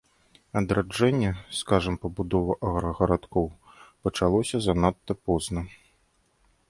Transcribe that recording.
Адраджэнне, скажам, пабудова аграгарадкоў, пачалося занадта позна.